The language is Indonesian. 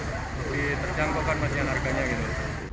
jadi terjangkaukan masnya harganya gitu